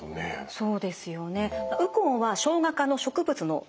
そうですよね。